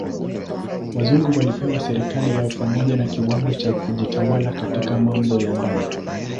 Wazungu walipewa serikali yao pamoja na kiwango cha kujitawala katika mambo ya ndani.